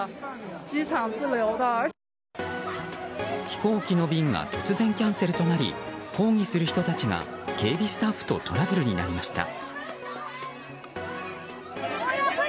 飛行機の便が突然キャンセルとなり抗議する人たちが警備スタッフとトラブルになりました。